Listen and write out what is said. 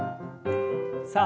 さあ